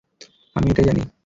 আমি এটাই জানি।